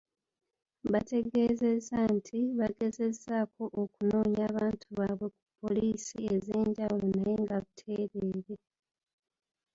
Baategeezezza nti bagezezzaako okunoonya abantu baabwe ku Poliisi ez'enjawulo naye nga buteerere.